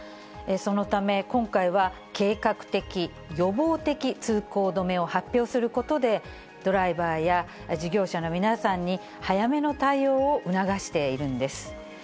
そのため今回は、計画的・予防的通行止めを発表することで、ドライバーや事業者の皆さんに、早めの対応を促しているんです。